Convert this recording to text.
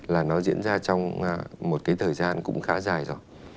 là nó diễn ra trong một cái thời gian cũng khá dài rồi